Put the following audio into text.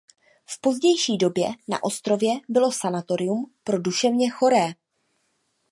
V pozdější době na ostrově bylo sanatorium pro duševně choré.